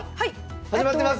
始まってますよ！